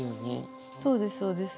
そうですそうです。